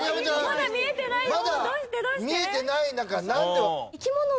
まだ見えてない中。